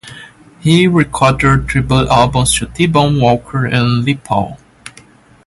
He recorded tribute albums to T-Bone Walker and Les Paul.